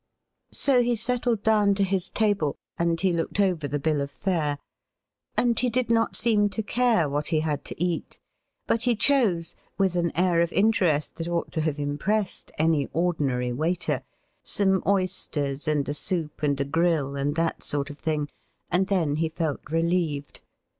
So he settled down to his table, and he looked over the bill of fare ; and he did not seem to care what he had to eat, but he chose — with an air of interest that ought to have impressed any ordinary waiter — some oysters and a soup and a grill, and that sort of thing, and then he felt relieved.